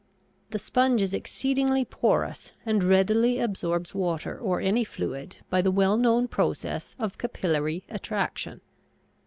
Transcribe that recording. The sponge is exceedingly porous and readily absorbs water or any fluid by the well known process of capillary attraction.